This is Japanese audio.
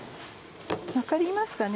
分かりますかね？